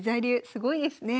すごいですね。